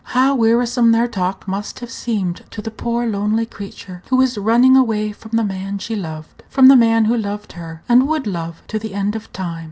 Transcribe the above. How wearisome their talk must have seemed to the poor lonely creature who was running away from the man she loved from the man who loved her, and would love to the end of time.